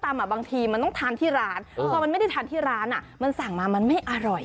บางทีมันต้องทานที่ร้านพอมันไม่ได้ทานที่ร้านมันสั่งมามันไม่อร่อย